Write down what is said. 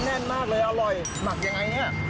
แน่นมากเลยอร่อยหมักยังไงเนี่ย